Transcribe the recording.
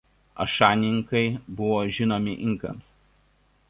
Ašaninkai buvo žinomi inkams.